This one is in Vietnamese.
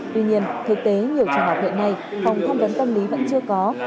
tuy nhiên thực tế nhiều trường học hiện nay phòng không vấn tâm lý vẫn chưa có